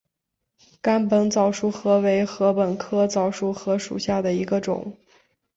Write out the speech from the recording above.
甘波早熟禾为禾本科早熟禾属下的一个种。